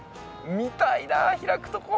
見たいな開くとこ。